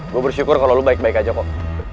gue bersyukur kalo lo baik baik aja kok